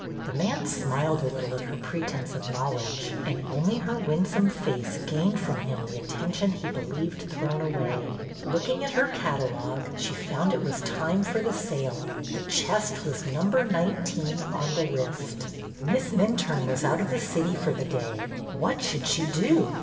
The man smiled a little at her pretence of knowledge, and only her win some face gained from him the attention he believed thrown away. Looking at her catalogue, she found it was time for the sale. The chest was number nine teen on the list. Miss Minturne was out of the city for the day. What should she do?